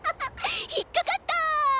引っ掛かった！